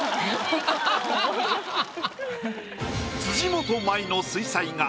辻元舞の水彩画